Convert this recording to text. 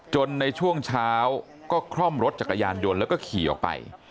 ในช่วงเช้าก็คล่อมรถจักรยานยนต์แล้วก็ขี่ออกไป